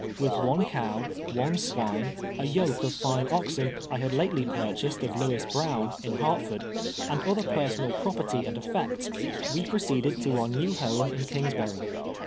"With one cow, one swine, a yoke of tine oxen 1 iiad lately ]itii chased of Lewis l>rown, in Hartford, and otlier personal proj^erty and effects, we ])roceeded to our new home in Kingsbury.